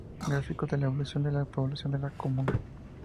Gráfico de la evolución de la población de la comuna